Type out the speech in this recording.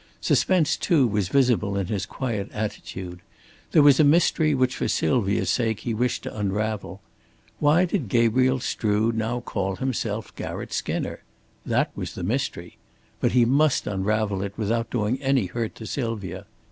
Suspense, too, was visible in his quiet attitude. There was a mystery which for Sylvia's sake he wished to unravel. Why did Gabriel Strood now call himself Garratt Skinner? That was the mystery. But he must unravel it without doing any hurt to Sylvia.